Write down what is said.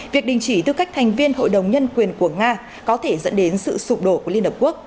việc đình chỉ tư cách thành viên hội đồng nhân quyền của nga có thể dẫn đến sự sụp đổ của liên hợp quốc